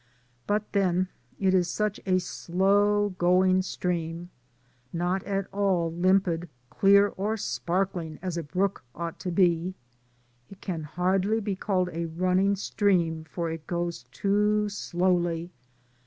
But then it is such a slow going stream, not at all limpid, clear, or sparkling as a brook ought to be. It can hardly be called a running stream, for it goes too slowly.